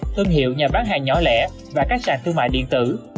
thương hiệu nhà bán hàng nhỏ lẻ và các sàn thương mại điện tử